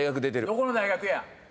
どこの大学や？